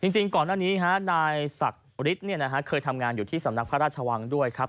จริงก่อนหน้านี้นายศักดิ์ฤทธิ์เคยทำงานอยู่ที่สำนักพระราชวังด้วยครับ